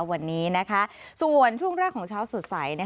วันนี้ส่วนช่วงแรกของเช้าสดใส